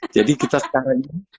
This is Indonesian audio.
jadi kita sekarang